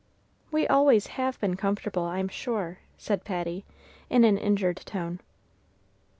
"We always have been comfortable, I'm sure," said Patty, in an injured tone.